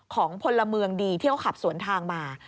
พลเมืองดีที่เขาขับสวนทางมา